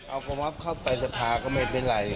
เอากระม็อบเข้าไปสภาก็ไม่เป็นไร